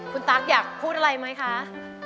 คุณตั๊กอยากพูดอะไรไหมคะ